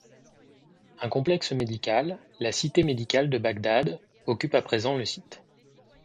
Un complexe médical, la Cité Médicale de Bagdad, occupe à présent le site.